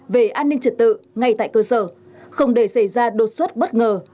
về an ninh trật tự ngay tại cơ sở không để xảy ra đột xuất bất ngờ